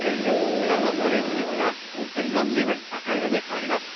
ふだんはオレンジですが、クリスマスシーズン、赤色になります。